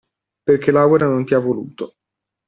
Perché Laura non ti ha voluto.